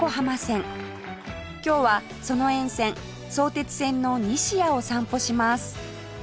今日はその沿線相鉄線の西谷を散歩します